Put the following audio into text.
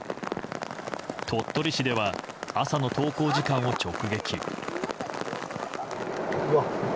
鳥取市では朝の登校時間を直撃。